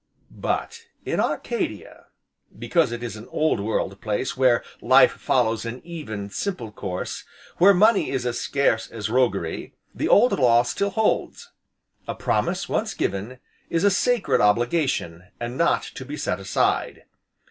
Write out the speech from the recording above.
But in Arcadia because it is an old world place where life follows an even, simple course, where money is as scarce as roguery, the old law still holds; a promise once given, is a sacred obligation, and not to be set aside.